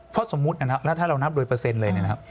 เพราะสมมุติใช่ไหมครับแล้วถ้าเรานับโดยเปอร์เซ็นต์เลย